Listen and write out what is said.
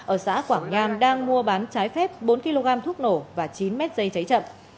ở xã quảng ngam đang mua bán trái phép bốn kg thuốc nổ và chín m dây cháy chậm